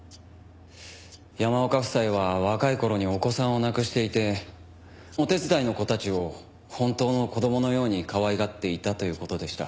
山岡夫妻は若い頃にお子さんを亡くしていてお手伝いの子たちを本当の子供のようにかわいがっていたという事でした。